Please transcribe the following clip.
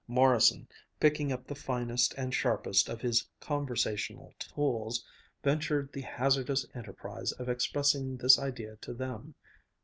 Morrison, picking up the finest and sharpest of his conversational tools, ventured the hazardous enterprise of expressing this idea to them.